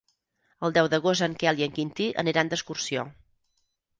El deu d'agost en Quel i en Quintí aniran d'excursió.